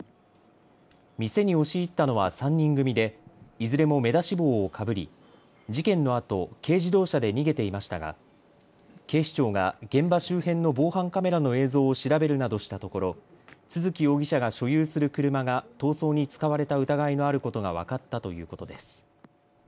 店に押し入ったのは３人組でいずれも目出し帽をかぶり事件のあと軽自動車で逃げていましたが警視庁が現場周辺の防犯カメラの映像を調べるなどしたところ都築容疑者が所有する車が逃走に使われた疑いのあることが分かったということです。